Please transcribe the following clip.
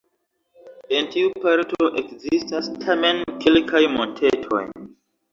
En tiu parto ekzistas tamen kelkaj montetoj.